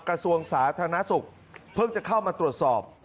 กระทรวงสาธารณสุขเพิ่งจะเข้ามาตรวจสอบ